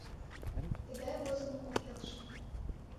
Тыгай возымо ок келше.